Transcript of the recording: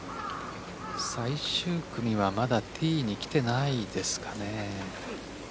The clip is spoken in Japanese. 最終組はまだティーに来ていないですかね。